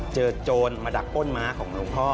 โจรมาดักป้นม้าของหลวงพ่อ